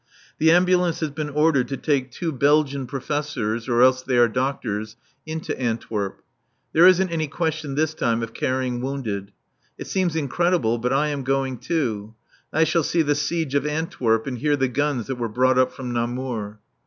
The Ambulance has been ordered to take two Belgian professors (or else they are doctors) into Antwerp. There isn't any question this time of carrying wounded. It seems incredible, but I am going too. I shall see the siege of Antwerp and hear the guns that were brought up from Namur.